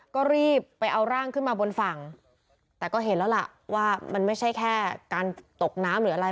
ก็รีบไปเอาร่างขึ้นมาบนฝั่งแต่ก็เห็นแล้วล่ะว่ามันไม่ใช่แค่การตกน้ำหรืออะไร